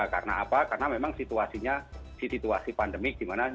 karena apa karena memang situasinya di situasi pandemi gimana namanya